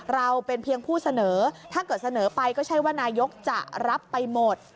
เราเป็นเพียงผู้เสนอถ้าเกิดเสนอไปก็ใช่ว่านายกจะรับไปหมด